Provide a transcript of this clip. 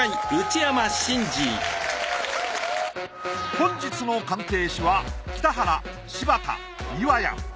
本日の鑑定士は北原柴田岩屋。